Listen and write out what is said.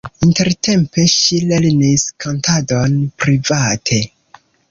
Intertempe ŝi lernis kantadon private.